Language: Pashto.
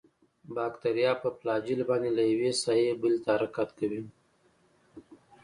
باکتریا په فلاجیل باندې له یوې ساحې بلې ته حرکت کوي.